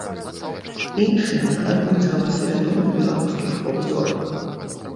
Іншыя нагадваюць галасы вядомых беларускіх поп-зорак.